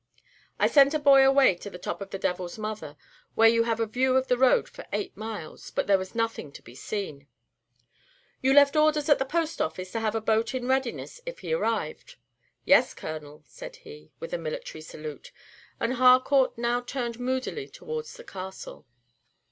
I sent a boy away to the top of 'the Devil's Mother,' where you have a view of the road for eight miles, but there was nothing to be seen." "You left orders at the post office to have a boat in readiness if he arrived?" "Yes, Colonel," said he, with a military salute; and Harcourt now turned moodily towards the Castle.